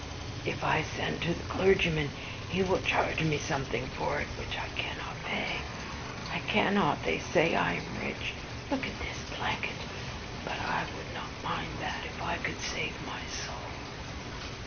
"If I send to the clergyman, he will charge me something for it, which I cannot pay, I cannot. They say I am rich, look at this blanket; but I would not mind that, if I could save my soul."